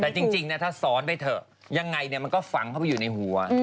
แต่จริงถ้าซ้อนไปเถอะยังไงมันก็ฝังเข้าไปอยู่ในหัว